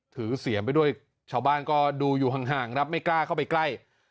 เสียมไปด้วยชาวบ้านก็ดูอยู่ห่างครับไม่กล้าเข้าไปใกล้